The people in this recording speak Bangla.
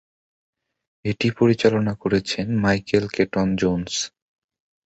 এটি পরিচালনা করেছেন মাইকেল কেটন-জোন্স।